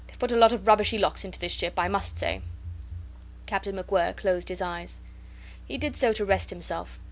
They've put a lot of rubbishy locks into this ship, I must say." Captain MacWhirr closed his eyes. He did so to rest himself.